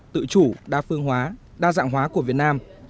tự chủ đa phương hóa đa dạng hóa của việt nam